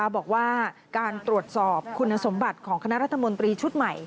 บอกว่าการตรวจสอบคุณสมบัติของคณะรัฐมนตรีชุดใหม่